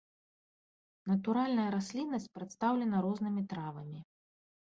Натуральная расліннасць прадстаўлена рознымі травамі.